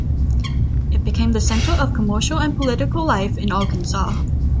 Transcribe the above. It became the center of commercial and political life in Arkansas.